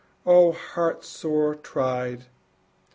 O heart sore tried!